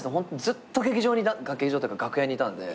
ずっと劇場に楽屋にいたんで。